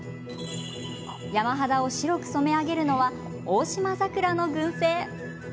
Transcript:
山肌を白く染め上げるのはオオシマザクラの群生。